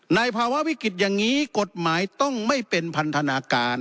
ภาวะวิกฤตอย่างนี้กฎหมายต้องไม่เป็นพันธนาการ